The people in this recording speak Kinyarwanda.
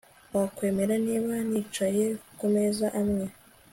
Wakwemera niba nicaye kumeza amwe